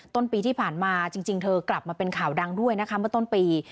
ต้นปีที่ผ่านมาจริงเธอกลับมาเป็นข่าวดังด้วยนะคะเมื่อต้นปี